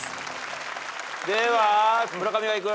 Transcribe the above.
では村上がいく。